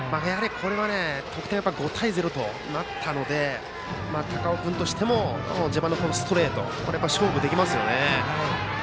得点が５対０となったので高尾君としても自慢のストレートで勝負できますよね。